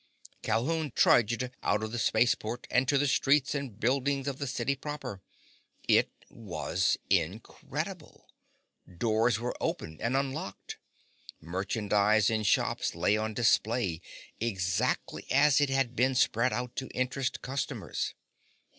Calhoun trudged out of the spaceport and to the streets and buildings of the city proper. It was incredible! Doors were opened or unlocked. Merchandise in the shops lay on display, exactly as it had been spread out to interest customers.